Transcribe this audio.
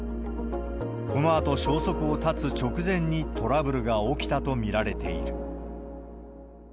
このあと消息を絶つ直前にトラブルが起きたと見られている。